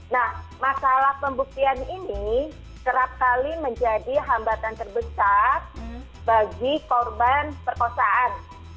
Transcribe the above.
nah masalah pembuktian ini kerap kali menjadi hambatan terbesar bagi korban perkosaan